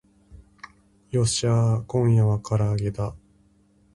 よっしゃー今夜は唐揚げだ